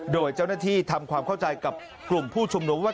โดยเจ้าหน้าที่ทำความเข้าใจกับกลุ่มผู้ชุมนุมว่า